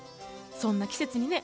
そんな季節にね